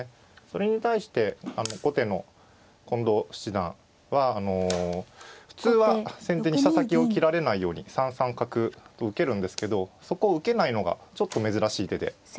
それに対して後手の近藤七段はあの普通は先手に飛車先を切られないように３三角と受けるんですけどそこを受けないのがちょっと珍しい手で。